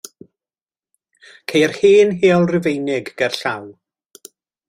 Ceir hen heol Rufeinig gerllaw.